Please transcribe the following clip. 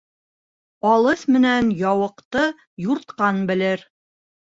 Алыҫ менән яуыҡты юртҡан белер.